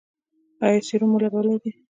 ایا سیروم مو لګولی دی؟